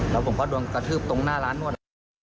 แล้วผมก็โดนกระทืบตรงหน้าร้านนวด